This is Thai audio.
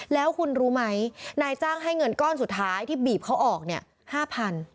แล้วคุณรู้ไหมนายจ้างให้เงินก้อนสุดท้ายที่บีบเขาออกเนี่ย๕๐๐บาท